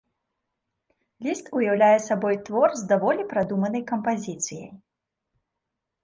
Ліст ўяўляе сабой твор з даволі прадуманай кампазіцыяй.